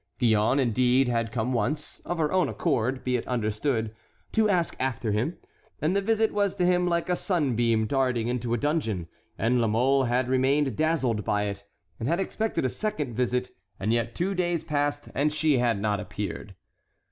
Gillonne, indeed, had come once, of her own accord, be it understood, to ask after him, and the visit was to him like a sunbeam darting into a dungeon, and La Mole had remained dazzled by it, and had expected a second visit, and yet two days passed and she had not appeared.